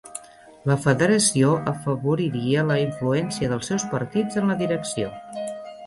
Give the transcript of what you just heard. La federació afavoriria la influència dels seus partits en la direcció